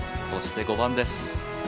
そして５番です。